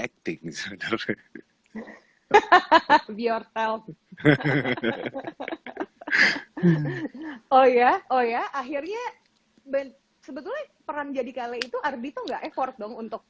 ekstrik biar oh ya oh ya akhirnya benc sebetulnya peran jadi kali itu arbito enggak effort dong untuk